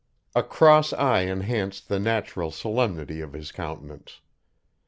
A cross eye enhanced the natural solemnity of his countenance.